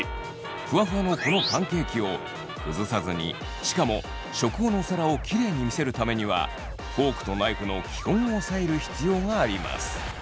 ふわふわのこのパンケーキを崩さずにしかも食後のお皿をキレイに見せるためにはフォークとナイフの基本を押さえる必要があります。